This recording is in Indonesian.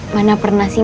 mana pernah sih